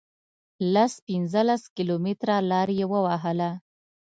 لس پنځلس کیلومتره لار یې ووهله.